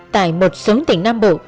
tại một số tỉnh nam bộ